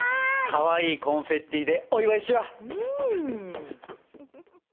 かわいいコンフェッティでお祝いしよう！